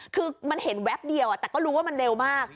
คือมันเห็นแวบเดียวแต่ก็รู้ว่ามันเร็วมาก